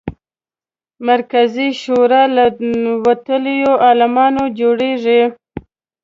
مرکزي شورا له وتلیو عالمانو جوړېږي.